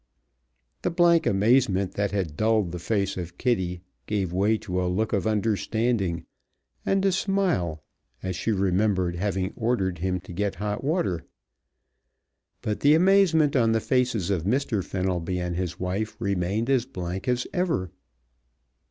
The blank amazement that had dulled the face of Kitty gave way to a look of understanding and a smile as she remembered having ordered him to get hot water, but the amazement on the faces of Mr. Fenelby and his wife remained as blank as ever.